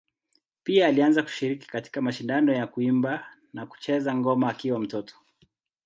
Pia alianza kushiriki katika mashindano ya kuimba na kucheza ngoma akiwa mtoto.